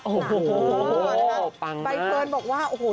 โอ้โฮปังมากนะครับใบเติ้ลบอกว่าโอ้โฮ